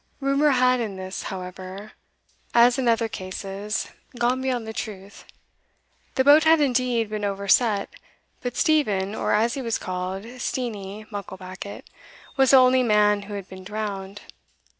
Rumour had in this, however, as in other cases, gone beyond the truth. The boat had indeed been overset; but Stephen, or, as he was called, Steenie Mucklebackit, was the only man who had been drowned.